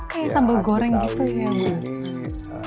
kayak sambal goreng gitu ya